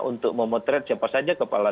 untuk memotret siapa saja kepala